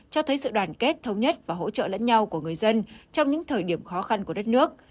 cho thấy sự đoàn kết thống nhất và hỗ trợ lẫn nhau của người dân trong những thời điểm khó khăn của đất nước